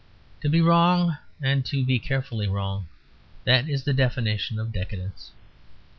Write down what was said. To be wrong, and to be carefully wrong, that is the definition of decadence.